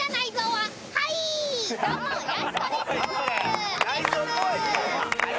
はい。